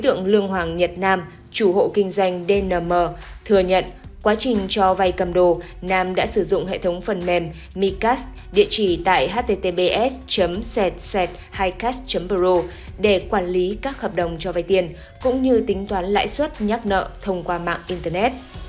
thứ tượng lương hoàng nhật nam chủ hộ kinh doanh dnm thừa nhận quá trình cho vay cầm đồ nam đã sử dụng hệ thống phần mềm micast địa chỉ tại https setset hai cast pro để quản lý các hợp đồng cho vay tiền cũng như tính toán lãi suất nhắc nợ thông qua mạng internet